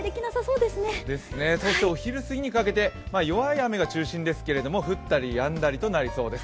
ですね、東京はお昼すぎにかけて弱い雨が中心ですけれども降ったりやんだりとなりそうです。